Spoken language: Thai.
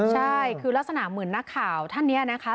ใช่คือลักษณะเหมือนนักข่าวท่านนี้นะคะ